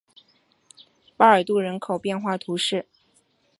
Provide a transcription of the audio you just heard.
巴尔杜人口变化图示